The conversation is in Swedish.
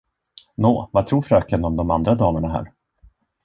Nå, vad tror fröken om de andra damerna här?